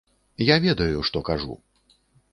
Я ведаю, што кажу.